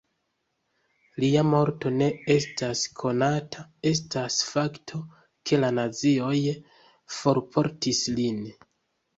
Lia morto ne estas konata, estas fakto, ke la nazioj forportis lin.